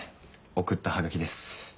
送った葉書です。